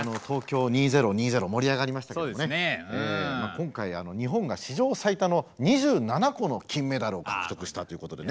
今回日本が史上最多の２７個の金メダルを獲得したということでね。